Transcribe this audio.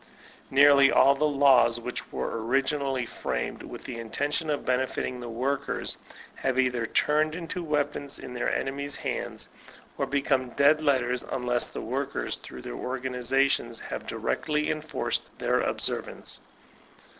Nearly all the laws which were originally framed with the intention of benefiting the workers, have either turned into weapons in their enemies' hands, or become dead letters, unless the workers through their organizations have directly enforced the observance.